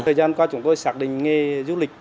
thời gian qua chúng tôi xác định nghề du lịch